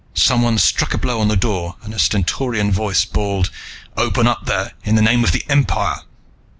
Someone struck a blow on the door and a stentorian voice bawled, "Open up there, in the name of the Empire!"